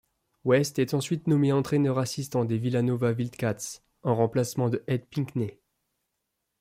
West est ensuite nommé entraîneur assistant des Villanova Wildcats, en remplacement de Ed Pinckney.